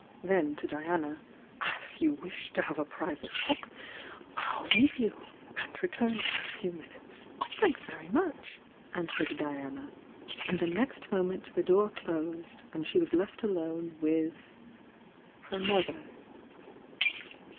Then to Diana: "As you wish to have a private talk, I'll leave you, and re turn in a few minutes." "Thanks very much!" answered Diana, — and the next moment the door closed, and she was left alone, with — her moUier.